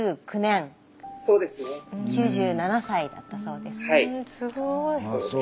９７歳だったそうです。